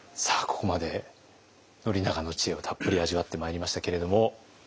ここまで宣長の知恵をたっぷり味わってまいりましたけれども。